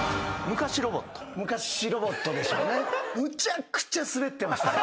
昔ロボットでしょうね。